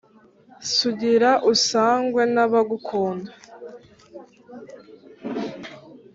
Sugira usangwe n'abagukunda.